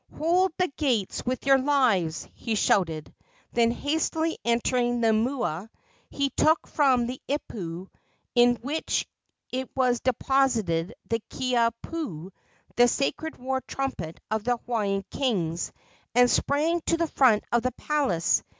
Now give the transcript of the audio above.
"Hold the gates with your lives!" he shouted; then, hastily entering the mua, he took from the ipu in which it was deposited the Kiha pu, the sacred war trumpet of the Hawaiian kings, and sprang to the front of the palace.